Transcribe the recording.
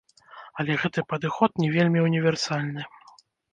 Але гэты падыход не вельмі універсальны.